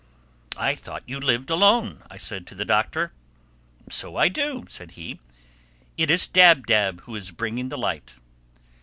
] "I thought you lived alone," I said to the Doctor. "So I do," said he. "It is Dab Dab who is bringing the light."